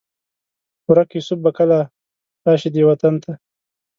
ورک یوسف به کله؟ راشي دې وطن ته